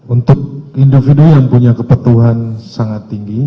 untuk individu yang punya kebutuhan sangat tinggi